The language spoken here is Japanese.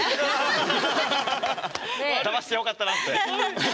ダマしてよかったなって。